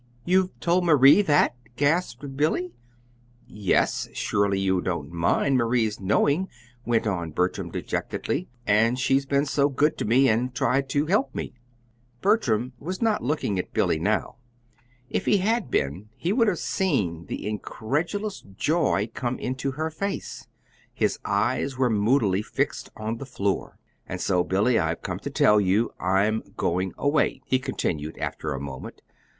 You've told Marie that?" gasped Billy. "Yes. Surely you don't mind Marie's knowing," went on Bertram, dejectedly. "And she's been so good to me, and tried to help me." Bertram was not looking at Billy now. If he had been he would have seen the incredulous joy come into her face. His eyes were moodily fixed on the floor. "And so, Billy, I've come to tell you. I'm going away," he continued, after a moment.